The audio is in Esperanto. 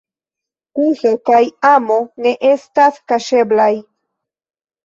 Tuso kaj amo ne estas kaŝeblaj.